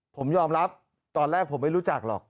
ผมยอมรับตอนแรกผมไม่รู้จักหรอก